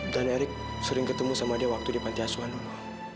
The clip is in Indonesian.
dan erik sering ketemu sama dia waktu di pantai asuhan dulu